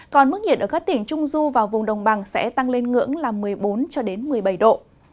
còn mức nhiệt ở các tỉnh trung du và vùng đồng bằng sẽ tăng lên ngưỡng là một mươi bốn một mươi bảy độ